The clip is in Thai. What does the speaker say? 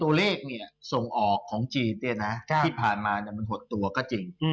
ตัวเลขส่งออกของจีนเนี่ยนะที่ผ่านมามันหดตัวก็จริง